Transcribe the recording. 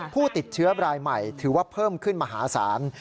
ผู้ติดเชื้อรายใหม่ถือว่าเพิ่มขึ้นมหาศาล